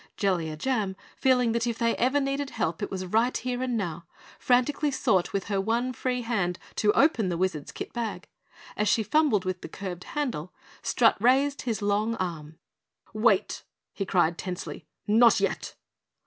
Jellia Jam, feeling that if they ever needed help it was right here and now, frantically sought with her one free hand to open the Wizard's Kit Bag. As she fumbled with the curved handle, Strut raised his long arm. "Wait!" he cried tensely. "Not yet!"